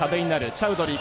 チャウドリー